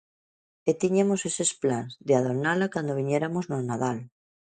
E tiñamos eses plans, de adornala cando viñeramos no Nadal.